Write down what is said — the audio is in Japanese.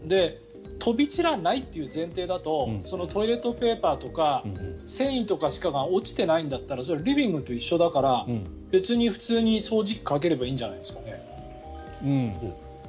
飛び散らないという前提だとそのトイレットペーパーとかの繊維しか落ちてないんだったらリビングと一緒だから別に普通に掃除機をかければいいんじゃないですかね？